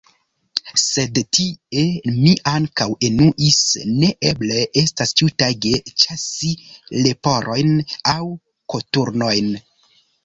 Sed tie mi ankaŭ enuis: ne eble estas ĉiutage ĉasi leporojn aŭ koturnojn!